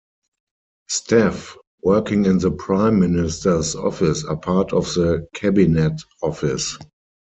Staff working in the Prime Minister's Office are part of the Cabinet Office.